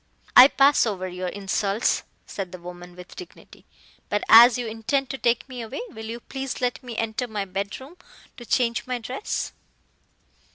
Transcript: "I pass over your insults," said the woman with dignity. "But as you intend to take me away, will you please let me enter my bedroom to change my dress?"